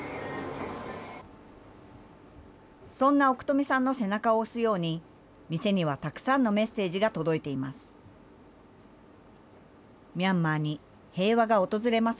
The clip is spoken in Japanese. そんな奥富さんの背中を押すように、店にはたくさんのメッセージが届いています。